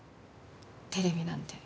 テレビなんて。